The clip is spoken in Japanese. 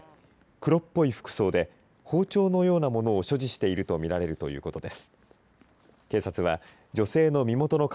黒っぽい服装で包丁のようなものを所持していると見られるということです。